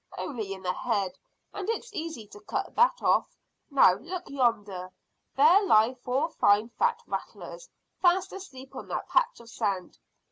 "Only in the head, and it's easy to cut that off. Now, look yonder; there lie four fine fat rattlers, fast asleep on that patch of sand.